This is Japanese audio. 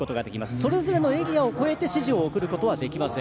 それぞれのエリアを越えて指示を送ることはできません。